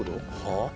はあ？